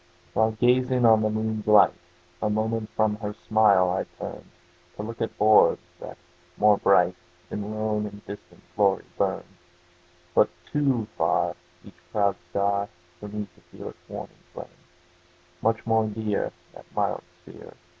While gazing on the moon's light, A moment from her smile I turned, To look at orbs, that, more bright, In lone and distant glory burned. But too far Each proud star, For me to feel its warming flame; Much more dear That mild sphere.